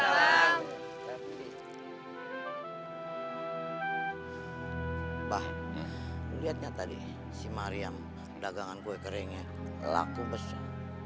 mbah lihatnya tadi si mariam dagangan kue keringnya laku besar